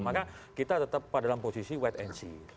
maka kita tetap dalam posisi wait and see